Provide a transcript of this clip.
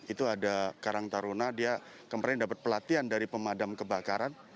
itu ada karang taruna dia kemarin dapat pelatihan dari pemadam kebakaran